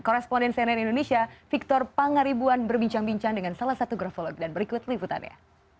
koresponden cnn indonesia victor pangaribuan berbincang bincang dengan salah satu grafologi dan berikut liputannya